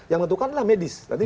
yang menentukan adalah medis